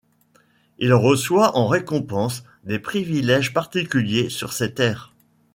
Il reçoit en récompense des privilèges particuliers sur ses terres.